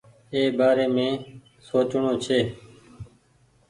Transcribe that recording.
اي بآري سوچڻو ڇي۔